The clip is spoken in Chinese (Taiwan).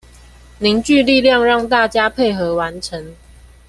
凝聚力量讓大家配合完成